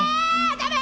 ダメ！